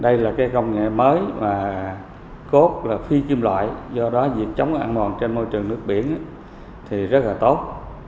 đây là cái công nghệ mới mà cốt là phi kim loại do đó việc chống ăn mòn trên môi trường nước biển thì rất là tốt